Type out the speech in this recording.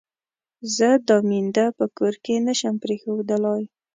زه دا مينده په کور کې نه شم پرېښودلای.